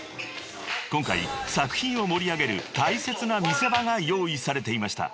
［今回作品を盛り上げる大切な見せ場が用意されていました］